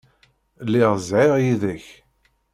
Lliɣ zhiɣ yid-k.